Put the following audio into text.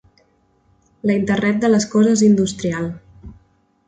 La internet de les coses industrial.